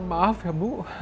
kau tidak tuh